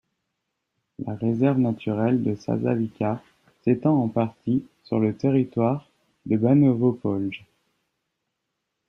La réserve naturelle de Zasavica s'étend en partie sur le territoire de Banovo Polje.